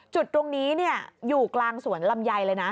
จุดตรงนี้อยู่กลางสวนลำไยเลยนะ